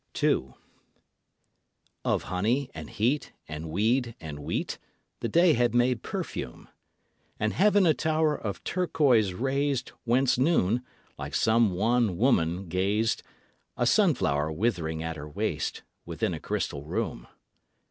II. Of honey and heat and weed and wheat The day had made perfume; And Heaven a tower of turquoise raised, Whence Noon, like some wan woman, gazed A sunflower withering at her waist Within a crystal room.